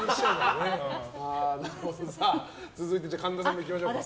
続いて、神田さんいきましょう。